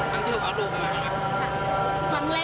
ตอนนี้เป็นครั้งหนึ่งครั้งหนึ่ง